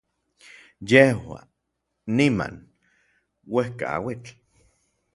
yejua, niman, uejkauitl